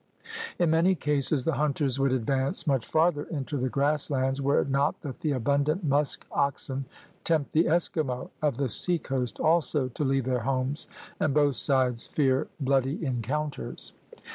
In many cases the hunters would advance much farther into the grass lands were it not that the abundant musk oxen tempt the Eskimo of the seacoast also to leave their homes and both sides fear bloody encounters.